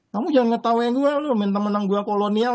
kamu jangan ngetawa yang gue lo minta menang gue kolonial